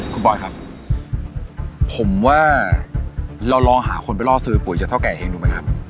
คุณบอยครับผมว่าเราลองหาคนไปล่อซื้อปุ๋ยจากเท่าแก่เองดูไหมครับ